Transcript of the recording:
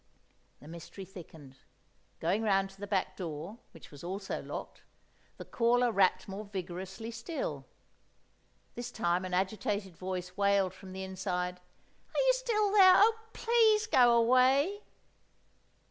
The mystery thickened. Going round to the back door, which was also locked, the caller rapped more vigorously still. This time an agitated voice wailed from the inside— "Are you still there? Oh, please go away!"